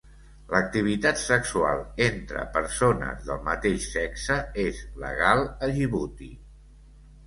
L'activitat sexual entre persones del mateix sexe és legal a Djibouti.